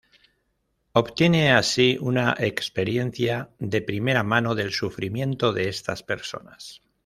Obtiene así una experiencia de primera mano del sufrimiento de estas personas.